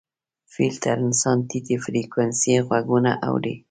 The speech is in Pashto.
فیل تر انسان ټیټې فریکونسۍ غږونه اوري.